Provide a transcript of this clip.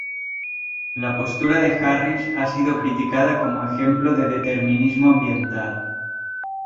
La postura de Harris ha sido criticada como ejemplo de "determinismo ambiental".